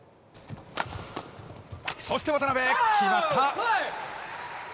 そして渡辺、決まった。